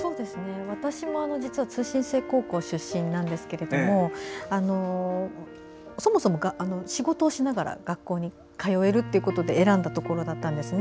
私も実は通信制高校出身なんですけれどもそもそも仕事をしながら学校に通えるということで選んだところだったんですね。